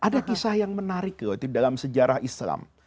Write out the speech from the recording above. ada kisah yang menarik loh dalam sejarah islam